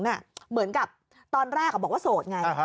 เหมือนกับตอนแรกบอกว่าโสดไง